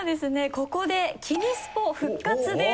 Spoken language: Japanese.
ここで気にスポ復活です。